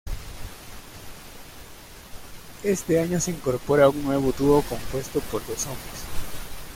Este año se incorpora un nuevo dúo compuesto por dos hombres.